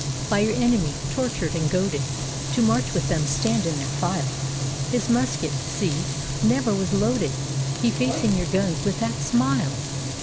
By your enemy tortured and goaded To march with them, stand in their file, His musket (see) never was loaded, He facing your guns with that smile!